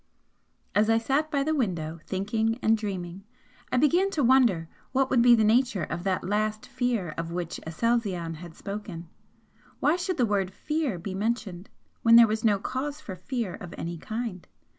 As I sat by the window thinking and dreaming, I began to wonder what would be the nature of that 'last fear' of which Aselzion had spoken? Why should the word 'fear' be mentioned, when there was no cause for fear of any kind?